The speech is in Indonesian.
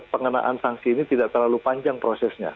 pengenaan sanksi ini tidak terlalu panjang prosesnya